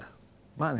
まあね。